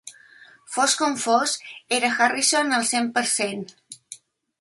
Fos com fos, era Harrison al cent per cent.